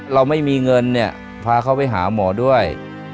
เราไม่มีเงินเนี่ยพาเขาไปหาหมอด้วย